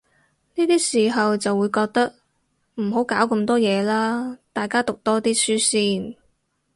呢啲時候就會覺得，唔好搞咁多嘢喇，大家讀多啲書先